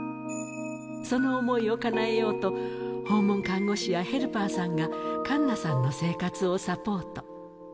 その思いをかなえようと、訪問看護師やヘルパーさんが、栞奈さんの生活をサポート。